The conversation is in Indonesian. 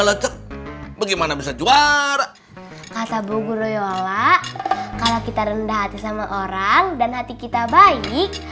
lecek bagaimana bisa juara kata bu guryola kalau kita rendah hati sama orang dan hati kita baik